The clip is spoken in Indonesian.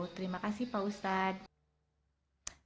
terima kasih pak ustadz